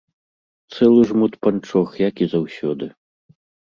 Цэлы жмут панчох, як і заўсёды.